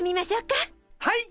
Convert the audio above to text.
はい！